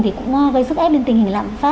thì cũng gây sức ép đến tình hình lạm phá